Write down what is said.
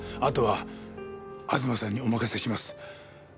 あとは東さんにお任せします。